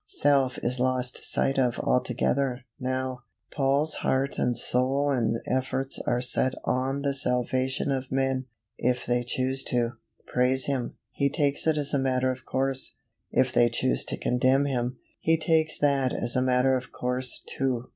Self is lost sight of altogether, now; Paul's heart and soul and efforts are set on the salvation of men. If they choose to; praise him, he takes it as a matter of course; if they choose to condemn him, he takes that as a matter of course, too.